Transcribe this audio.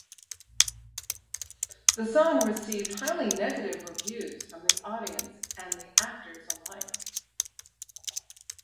The song received highly negative reviews from the audience and the actors alike.